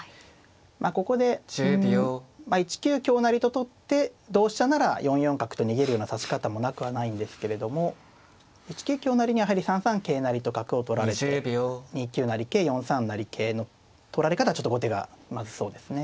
まあここでうん１九香成と取って同飛車なら４四角と逃げるような指し方もなくはないんですけれども１九香成にはやはり３三桂成と角を取られて２九成桂４三成桂の取られ方はちょっと後手がまずそうですね。